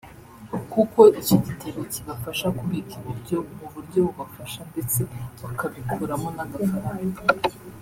kuko icyo gitebo kibafasha kubika ibiryo mu buryo bubafasha ndetse bakabikuramo n’agafaranga